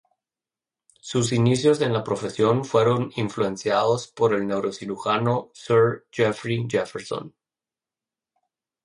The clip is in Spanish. Sus inicios en la profesión fueron influenciados por el neurocirujano Sir Geoffrey Jefferson.